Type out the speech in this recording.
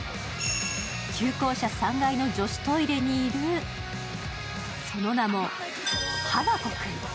旧校舎３階の女子トイレにいるその名も花子くん。